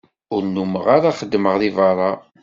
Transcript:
Ur nnumeɣ ara xeddmeɣ deg berra.